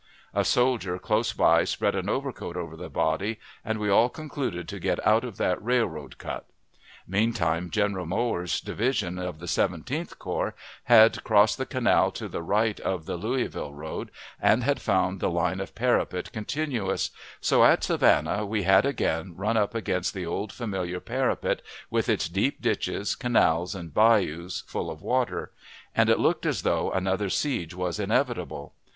A soldier close by spread an overcoat over the body, and we all concluded to get out of that railroad cut. Meantime, General Mower's division of the Seventeenth Corps had crossed the canal to the right of the Louisville road, and had found the line of parapet continuous; so at Savannah we had again run up against the old familiar parapet, with its deep ditches, canals, and bayous, full of water; and it looked as though another siege was inevitable.